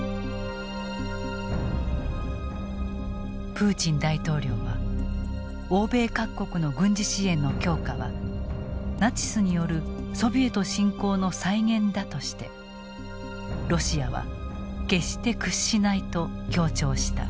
プーチン大統領は欧米各国の軍事支援の強化はナチスによるソビエト侵攻の再現だとしてロシアは決して屈しないと強調した。